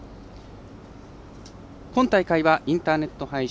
今大会はインターネット配信